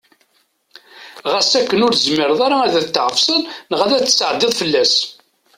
Ɣas akken ur tezmireḍ ara ad t-tɛefseḍ neɣ ad t-ttɛeddiḍ fell-as.